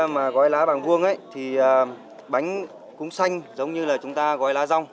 mà gói lá vàng vuông ấy thì bánh cũng xanh giống như là chúng ta gói lá rong